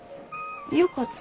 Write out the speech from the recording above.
よかった？